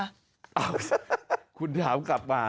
เอ้าคุณถามกลับมา